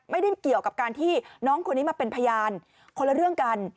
ไม่ได้เกี่ยวกับการที่น้องคนนี้มาเป็นพยานคนละเรื่องกัน